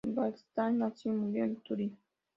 Gastaldi nació y murió en Turin.